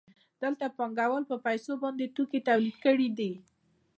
دلته پانګوال په پیسو باندې توکي تولید کړي دي